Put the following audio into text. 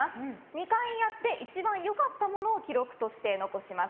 ２回やって一番良かったものを記録として残します。